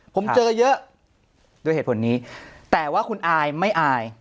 ผมเจอเยอะด้วยเหตุผลนี้แต่ว่าคุณอายไม่อาย